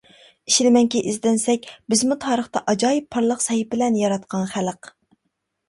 ئىشىنىمەنكى ئىزدەنسەك بىزمۇ تارىختا ئاجايىپ پارلاق سەھىپىلەرنى ياراتقان خەلق.